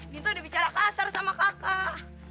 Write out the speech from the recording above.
minta udah bicara kasar sama kakak